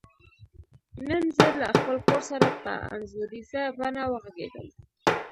نن زه له خپل کور سره په انځوریزه بڼه وغږیدم.